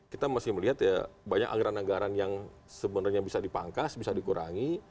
kita masih melihat ya banyak anggaran anggaran yang sebenarnya bisa dipangkas bisa dikurangi